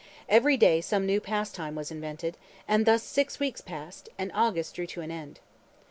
Every day some new pastime was invented, and thus six weeks passed, and August drew to an end.